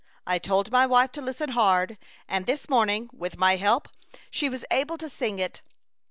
I told my wife to listen hard, and this morning, with my help, she was able to sing it.